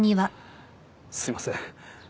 すいません。